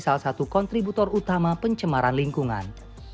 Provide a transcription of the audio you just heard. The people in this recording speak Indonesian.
salah satu kontributor utama pencemaran lingkungan